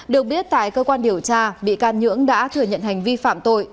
được biết tại cơ quan điều tra bị can nhưỡng đã thừa nhận hành vi phạm tội